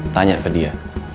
tanya ke dia